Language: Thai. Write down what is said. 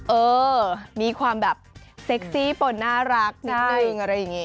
เออมีความแบบเซ็กซี่ปนน่ารักนิดนึงอะไรอย่างนี้